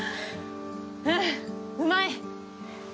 うんうまい。